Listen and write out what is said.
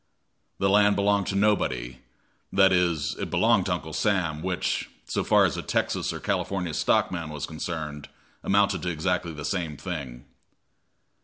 The land belonged to nobody that is, it belonged to Uncle Sam, which, so far as a Texas or California stockman was concerned, amounted to exactly the same thing.